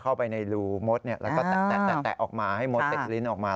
เข้าไปในรูมดแล้วก็แตะออกมาให้มดติดลิ้นออกมา